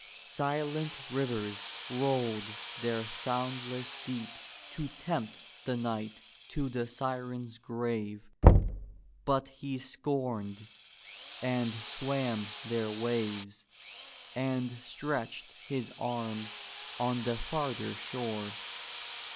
Silent rivers rolled their sound less deeps to tempt the knight to the siren's grave, but he scorned, and swam their waves, and stretched his arms on the farther shore.